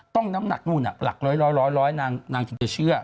น้ำหนักนู่นหลักร้อยนางถึงจะเชื่อ